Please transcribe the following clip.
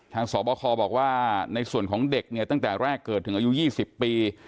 สอบคอบอกว่าในส่วนของเด็กเนี่ยตั้งแต่แรกเกิดถึงอายุ๒๐ปี